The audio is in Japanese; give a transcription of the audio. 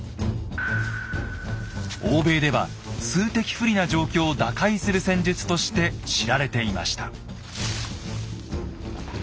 欧米では数的不利な状況を打開する戦術として知られていました。